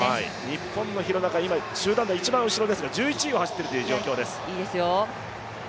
日本の廣中、集団の一番後ろですが１１位を走っている状況です。